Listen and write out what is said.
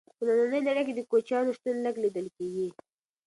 په ننۍ نړۍ کې د کوچیانو شتون لږ لیدل کیږي.